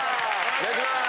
お願いします！